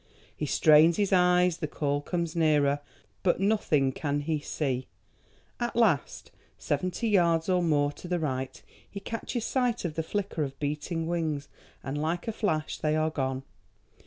He strains his eyes, the call comes nearer, but nothing can he see. At last, seventy yards or more to the right, he catches sight of the flicker of beating wings, and, like a flash, they are gone.